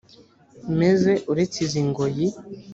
meze uretse izi ngoyi